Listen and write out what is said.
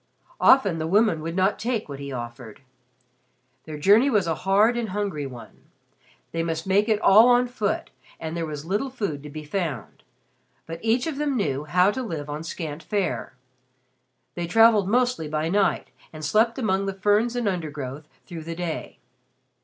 Often the women would not take what he offered. Their journey was a hard and hungry one. They must make it all on foot and there was little food to be found. But each of them knew how to live on scant fare. They traveled mostly by night and slept among the ferns and undergrowth through the day.